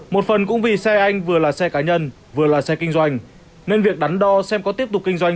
một phần cũng vì xe anh vừa là xe cá nhân vừa là xe kinh doanh nên việc đắn đo xem có tiếp tục kinh doanh